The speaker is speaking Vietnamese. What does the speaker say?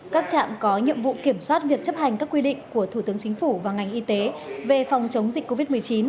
các trạm có nhiệm vụ kiểm soát việc chấp hành các quy định của thủ tướng chính phủ và ngành y tế về phòng chống dịch covid một mươi chín